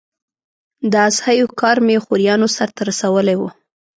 د اضحیو کار مې خوریانو سرته رسولی و.